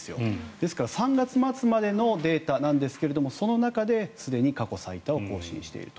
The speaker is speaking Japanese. ですから３月末までのデータなんですがその中ですでに過去最多を更新していると。